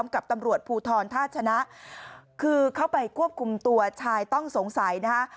กับตำรวจภูทรท่าชนะคือเข้าไปควบคุมตัวชายต้องสงสัยนะคะ